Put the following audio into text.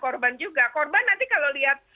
korban juga korban nanti kalau lihat